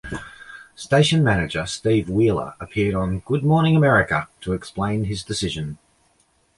Station Manager Steve Wheeler appeared on "Good Morning America" to explain his decision.